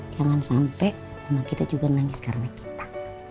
jangan sampai mama kita juga nangis karena kita